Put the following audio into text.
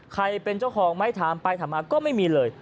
เป็นเจ้าของไหมถามไปถามมาก็ไม่มีเลย